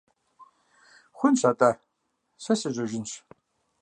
Хъунщ атӏэ, сэ сежьэжын.